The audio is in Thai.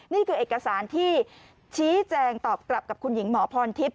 นี่คือเอกสารที่ชี้แจงตอบกลับกับคุณหญิงหมอพรทิพย